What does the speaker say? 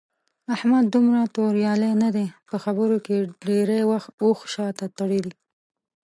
احمد دومره توریالی نه دی. په خبرو کې ډېری وخت اوښ شاته تړي.